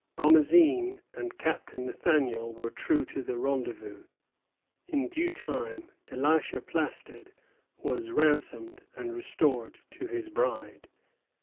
Bomazeen and Captain Nathaniel were true to the rendezvous; in due time Elisha Plaisted was ransomed and restored to his bride.